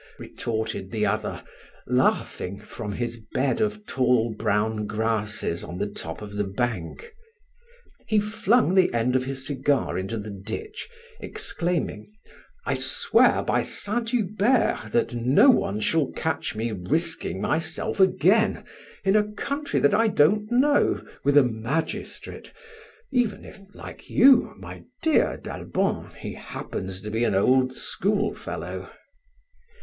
retorted the other, laughing from his bed of tall brown grasses on the top of the bank. He flung the end of his cigar into the ditch, exclaiming, "I swear by Saint Hubert that no one shall catch me risking myself again in a country that I don't know with a magistrate, even if, like you, my dear d'Albon, he happens to be an old schoolfellow."